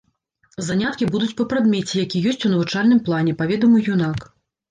Заняткі будуць па прадмеце, які ёсць у навучальным плане, паведаміў юнак.